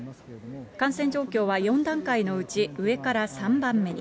感染状況は４段階のうち上から３番目に。